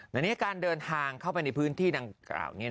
แต่การเดินทางเข้าไปในพื้นที่อ่าวนี้